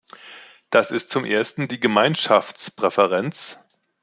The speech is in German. Das ist zum ersten die Gemeinschaftspräferenz.